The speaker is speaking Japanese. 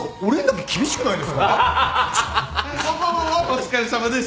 お疲れさまです。